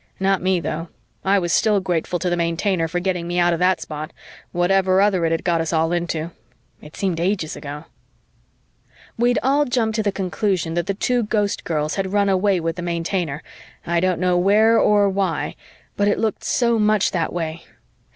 Not me, though I was still grateful to the Maintainer for getting me out of that spot, whatever other it had got us all into. It seemed ages ago. We'd all jumped to the conclusion that the two Ghostgirls had run away with the Maintainer, I don't know where or why, but it looked so much that way.